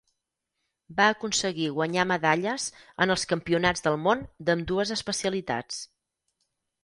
Va aconseguir guanyar medalles en els campionats del món d'ambdues especialitats.